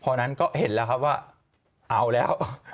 พอนั้นก็เห็นแล้วครับว่าเอาแล้ว